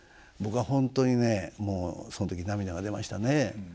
僕は本当にねもうその時涙が出ましたね。